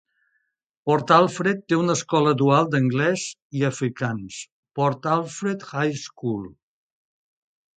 Port Alfred té una escola dual d'anglès i afrikaans, Port Alfred High School.